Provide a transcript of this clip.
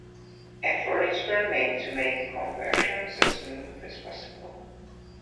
Efforts were made to make conversions as smooth as possible.